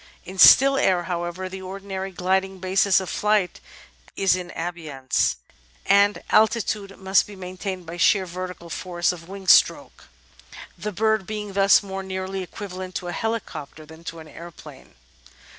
In still air, however, the ordinary gliding basis of flight is in abeyance, and altitude must be maintained by sheer vertical force of wing stroke, Natural History 405 the bird being thus more nearly equivalent to a helicopter than to an aeroplane.